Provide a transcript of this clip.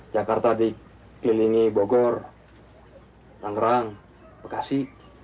jakarta dikelilingi bogor tangerang bekasi